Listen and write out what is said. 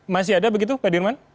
masih ada begitu pak dirman